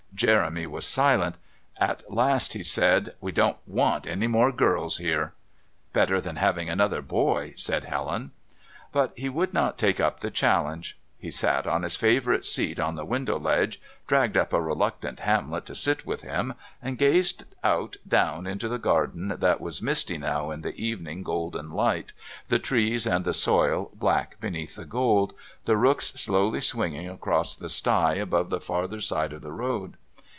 Jeremy was silent. At last he said: "We don't want any more girls here." "Better than having another boy," said Helen. But he would not take up the challenge. He sat on his favourite seat on the window ledge, dragged up a reluctant Hamlet to sit with him, and gazed out down into the garden that was misty now in the evening golden light, the trees and the soil black beneath the gold, the rooks slowly swinging across the sty above the farther side of the road.